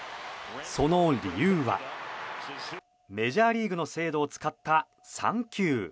その理由はメジャーリーグの制度を使った産休。